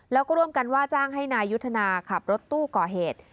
แล้วก็ร่วมกันว่าจ้างให้นายยุทธนาขับรถตู้ก่อเหตุ